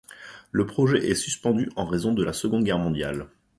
Le projet est suspendu en raison de la Seconde Guerre mondiale.